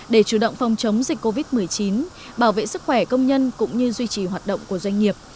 để chủ động phòng chống dịch covid một mươi chín bảo vệ sức khỏe công nhân cũng như duy trì hoạt động của doanh nghiệp